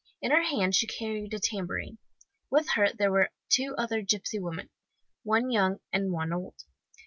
In her hand she carried a tambourine. With her there were two other gipsy women, one young and one old.